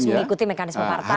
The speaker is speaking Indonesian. harus mengikuti mekanisme partai